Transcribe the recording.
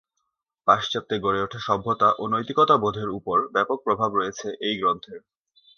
পাশ্চাত্যে গড়ে ওঠা সভ্যতা ও নৈতিকতা বোধের উপর ব্যাপক প্রভাব রয়েছে এই গ্রন্থের।